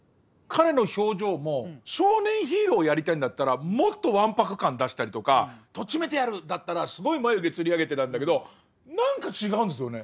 彼の表情も少年ヒーローをやりたいんだったらもっとわんぱく感出したりとか「とっちめてやる！」だったらすごい眉毛つり上げてたんだけど何か違うんですよね。